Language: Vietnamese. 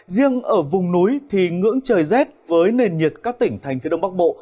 riêng ở vùng núi thì ngưỡng trời rét với nền nhiệt các tỉnh thành phía đông bắc bộ